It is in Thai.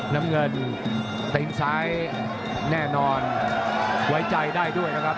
น้ำเงินติ๊งซ้ายแน่นอนไว้ใจได้ด้วยนะครับ